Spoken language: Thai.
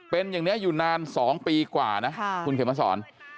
เป็นอย่างนี้อยู่นาน๒ปีกว่านะคุณเขียนมาสอน